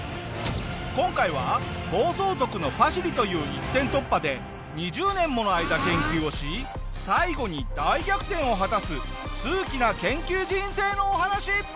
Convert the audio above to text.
今回は暴走族のパシリという一点突破で２０年もの間研究をし最後に大逆転を果たす数奇な研究人生のお話！